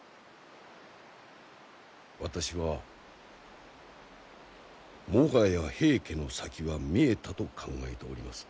私はもはや平家の先は見えたと考えております。